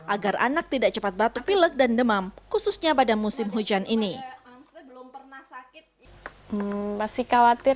agar anak tidak cepat batuk pilek dan demam khususnya pada musim hujan ini belum pernah sakit masih khawatir